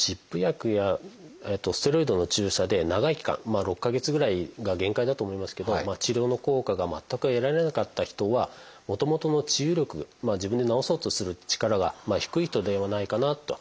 まあ６か月ぐらいが限界だと思いますけど治療の効果が全く得られなかった人はもともとの治癒力自分で治そうとする力が低い人ではないかなと。